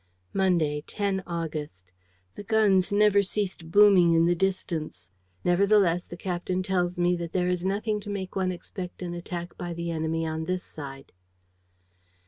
"Monday, 10 August. "The guns never ceased booming in the distance. Nevertheless, the captain tells me that there is nothing to make one expect an attack by the enemy on this side.